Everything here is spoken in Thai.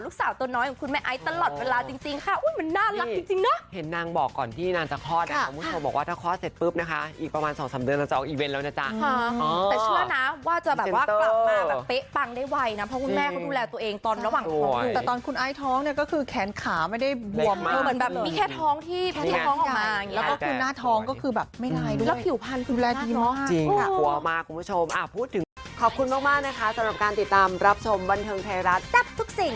ลูกสาวตัวน้อยของคุณแม่ไอ้ตลอดเวลาจริงจริงค่ะอุ้ยมันน่ารักจริงจริงน่ะเห็นนางบอกก่อนที่นางจะคลอดอ่ะคุณผู้ชมบอกว่าถ้าคลอดเสร็จปุ๊บนะคะอีกประมาณสองสามเดือนเราจะออกอีเวนต์แล้วนะจ้ะอ่าแต่เชื่อนะว่าจะแบบว่ากลับมาแบบเป๊ะปังได้ไวน่ะเพราะคุณแม่เขาดูแลตัวเองตอนระหว่างแต่ตอนคุณไอ